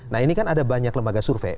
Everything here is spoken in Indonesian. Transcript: nah ini kan ada banyak lembaga survei